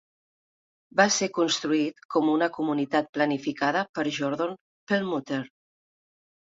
Va ser construït com una comunitat planificada per Jordon Perlmutter.